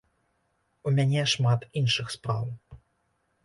У мяне шмат іншых спраў.